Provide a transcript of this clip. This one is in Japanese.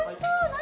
何？